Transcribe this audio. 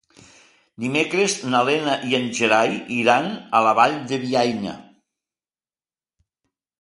Dimecres na Lena i en Gerai iran a la Vall de Bianya.